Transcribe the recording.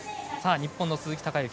日本の鈴木孝幸。